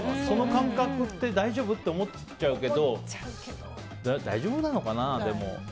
その感覚って大丈夫？って思っちゃうけど大丈夫なのかな、でも。